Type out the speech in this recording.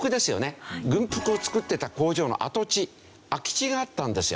軍服を作ってた工場の跡地空き地があったんですよ。